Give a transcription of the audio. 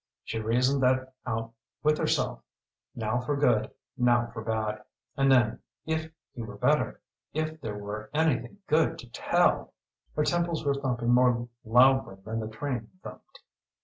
She reasoned that out with herself, now for good, now for bad. And then if he were better, if there were anything good to tell Her temples were thumping more loudly than the train thumped.